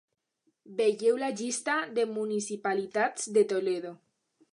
Vegeu la llista de municipalitats de Toledo.